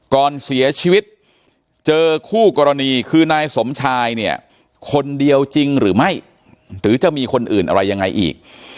ก่อนเสียชีวิตเจอคู่กรณีคือนายสมชายเนี่ยคนเดียวจริงหรือไม่หรือจะมีคนอื่นอะไรยังไงอีก